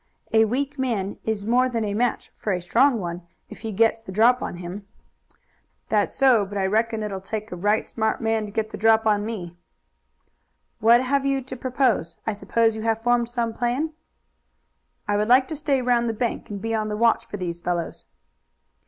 A weak man is more than a match for a strong one if he gets the drop on him." "That's so, but I reckon it'll take a right smart man to get the drop on me." "What have you to propose? I suppose you have formed some plan." "I would like to stay round the bank and be on the watch for these fellows."